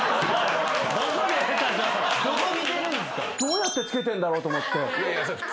どうやって着けてんだろうと思って。